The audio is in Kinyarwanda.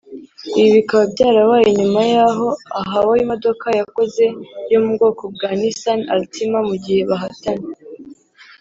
Ibi bikaba byarabaye nyuma y’aho ahawe imodoka yakoze yo mu bwoko bwa Nissan Altima mu gihe bahatana